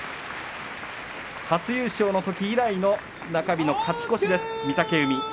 初優勝のとき以来の中日の勝ち越しです、御嶽海。